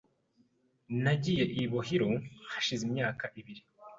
Nagiye i Obihiro hashize imyaka ibiri .